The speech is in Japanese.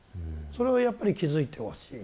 それをやっぱり気付いてほしい。